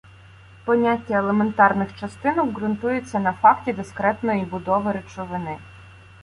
Поняття елементарних частинок ґрунтується на факті дискретної будови речовини.